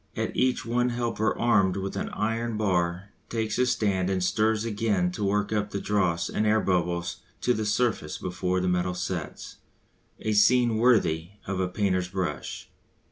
At each one a helper armed with an iron bar takes his stand and stirs again to work up all dross and air bubbles to the surface before the metal sets a scene worthy of a painter's brush.